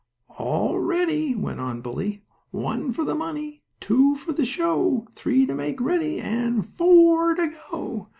"All ready," went on Bully. "One for the money, two for a show, three to make ready and FOUR to go!"